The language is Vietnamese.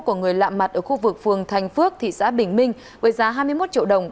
của người lạm mặt ở khu vực phường thành phước thị xã bình minh với giá hai mươi một triệu đồng